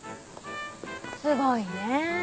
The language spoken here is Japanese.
すごいね。